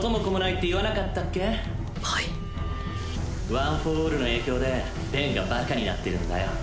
ワン・フォー・オールの影響で弁がバカになってるんだよ。